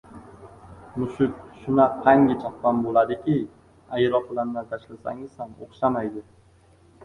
Mushuk shuna- qangi chaqqon boiadiki, aeroplandan tashlasangiz ham o’xshamaydi.